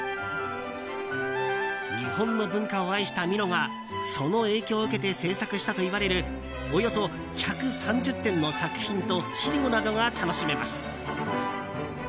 日本の文化を愛したミロがその影響を受けて制作したといわれるおよそ１３０点の作品と資料などが楽しめます。